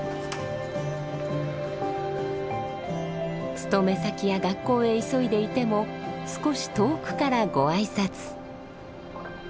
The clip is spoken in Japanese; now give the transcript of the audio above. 勤め先や学校へ急いでいても少し遠くからご挨拶。